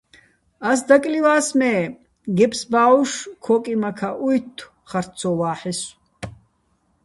ას დაკლივა́ს, მე́ გეფს ბა́უშ ქო́კიმაქაჸ უჲთთო̆, ხარც ცო ვა́ჰ̦ესო̆.